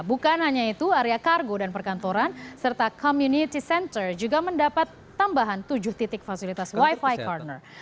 bukan hanya itu area kargo dan perkantoran serta community center juga mendapat tambahan tujuh titik fasilitas wifi corner